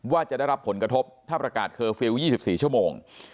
ว่าจะได้รับผลกระทบถ้าประกาศเคอร์ฟิลล์๒๔ชั่วโมง